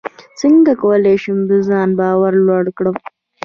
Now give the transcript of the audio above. څنګه کولی شم د ځان باور لوړ کړم